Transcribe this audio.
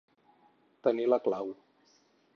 Tenir la clau.